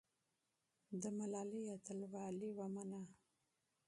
د ملالۍ اتلولي ومنه.